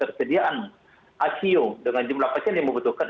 tersediaan icu dengan jumlah pasien yang membutuhkan